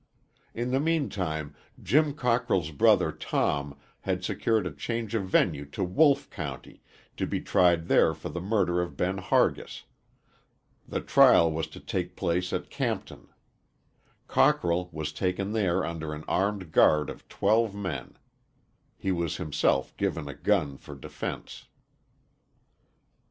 In the meantime, Jim Cockrell's brother Tom had secured a change of venue to Wolfe County, to be tried there for the murder of Ben Hargis. The trial was to take place at Campton. Cockrell was taken there under an armed guard of twelve men. He was himself given a gun for defence.